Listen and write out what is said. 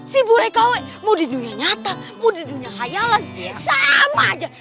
si bule kowe mau di dunia nyata mau di dunia khayalan sama aja